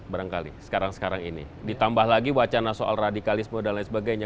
barangkali sekarang sekarang ini ditambah lagi wacana soal radikalisme dan lain sebagainya